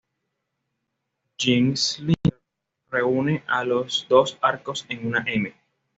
Jim Schindler reúne los dos arcos en una "M".